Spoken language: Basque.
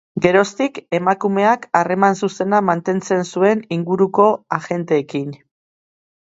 Geroztik, emakumeak harreman zuzena mantentzen zuen inguruko agenteekin.